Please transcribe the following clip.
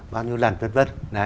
bao nhiêu lần vân vân